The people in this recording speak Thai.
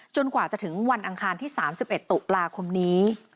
กว่าจะถึงวันอังคารที่๓๑ตุลาคมนี้